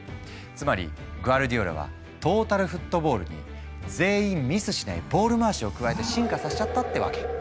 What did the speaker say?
つまりグアルディオラはトータルフットボールに「全員ミスしないボール回し」を加えて進化させちゃったってわけ。